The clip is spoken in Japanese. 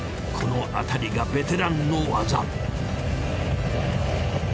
このあたりがベテランの技。